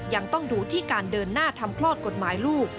ยังต้องดูที่การเดินหน้าทำคลอดกฎหมายลูก